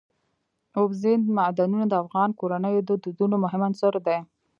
اوبزین معدنونه د افغان کورنیو د دودونو مهم عنصر دی.